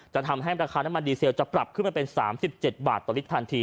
ทำให้ราคาน้ำมันดีเซลจะปรับขึ้นมาเป็น๓๗บาทต่อลิตรทันที